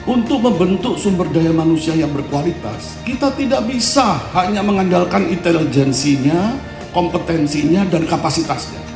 untuk membentuk sumber daya manusia yang berkualitas kita tidak bisa hanya mengandalkan intelijensinya kompetensinya dan kapasitasnya